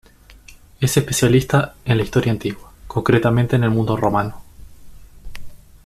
Es especialista en la historia antigua, concretamente del mundo romano.